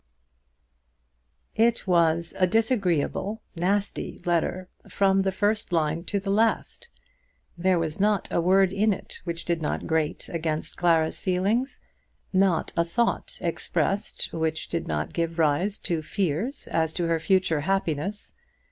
It was a disagreeable, nasty letter from the first line to the last. There was not a word in it which did not grate against Clara's feelings, not a thought expressed which did not give rise to fears as to her future happiness.